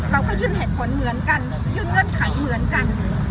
เราก็ยื่นเหตุผลเหมือนกันยื่นเงื่อนไขเหมือนกัน